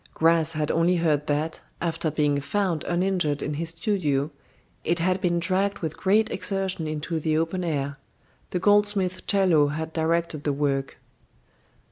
Gras had only heard that, after being found uninjured in his studio, it had been dragged with great exertion into the open air. The goldsmith Chello had directed the work.